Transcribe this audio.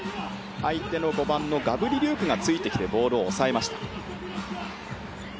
相手の５番の、ガヴリリュークがついてきてボールを押さえました。